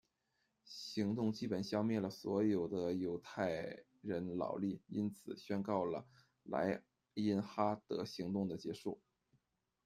行动基本消灭了所有的犹太人劳力，因此宣告了莱茵哈德行动的结束。